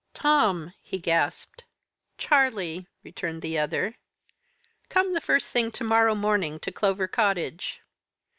'Tom!' he gasped. "'Charlie!' returned the other. 'Come the first thing to morrow morning to Clover Cottage.'